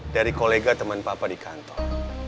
dari kolega teman papa di kantor